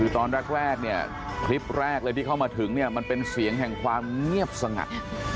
ตอนแรกเนี่ยคลิปแรกเลยที่เข้ามาถึงเนี่ยมันเป็นเสียงแห่งความเงียบสงัด